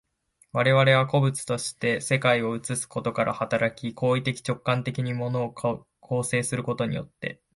我々は個物として世界を映すことから働き、行為的直観的に物を構成することによって、